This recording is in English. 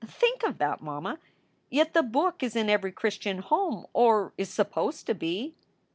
Think of that, mamma! Yet the Book is in every Christian home, or is supposed to be."